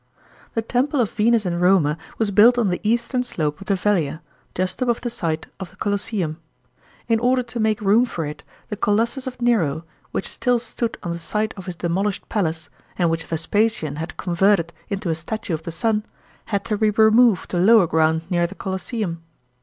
The temple of Venus and Roma was built on the eastern slope of the Velia, just above the site of the Colosseum. In order to make room for it, the Colossus of Nero, which still stood on the site of his demolished palace, and which Vespasian had converted into a statue of the Sun, had to be removed to lower ground near the Colosseum.